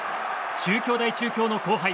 中京大中京の後輩